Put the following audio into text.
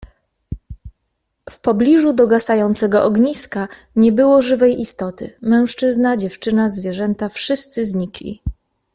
"W pobliżu dogasającego ogniska nie było żywej istoty: mężczyzna, dziewczyna, zwierzęta wszyscy znikli."